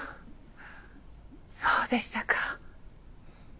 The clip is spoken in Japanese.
そうでしたか。